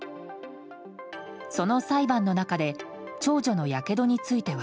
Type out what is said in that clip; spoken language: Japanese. その裁判の中で長女のやけどについては。